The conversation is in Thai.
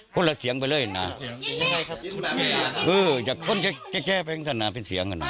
คนละเสียงคนละเสียงไปเลยนะเออจากคนแกะแกะไปอย่างนั้นนะเป็นเสียงกันนะ